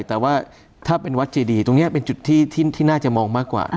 แต่ว่าถ้าเป็นวัดเจดีตรงนี้เป็นจุดที่น่าจะมองมากกว่า